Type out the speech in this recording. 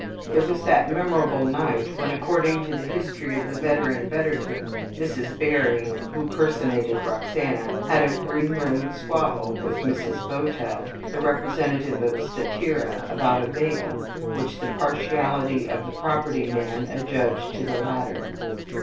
..... It was that memorable night, when, according to the history of the veteran Betterton,* Mrs. Barry, who personated Roxana, had a green room squabble with Mrs. Bowtell, the representative of Statira, about a veil, which the partiality of the property man adjudged to the latter.